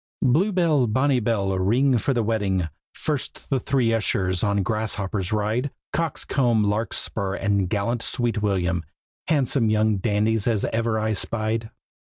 Blue bell, bonny bell, ring for the wedding! First the three ushers on grasshoppers ride; Coxcomb, Larkspur, and gallant Sweet William, Handsome young dandies as ever I spied.